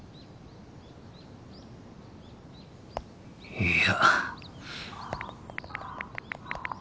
いや。